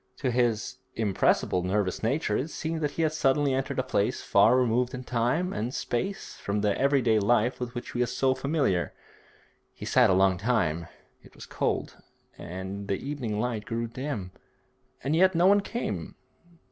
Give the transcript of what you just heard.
To his impressible nervous nature it seemed that he had suddenly entered a place far removed in time and space from the every day life with which he was so familiar. He sat a long time; it was cold, and the evening light grew dim, and yet no one came.